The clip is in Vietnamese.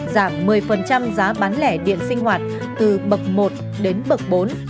giảm một mươi giá bán lẻ điện sinh hoạt từ bậc một đến bậc bốn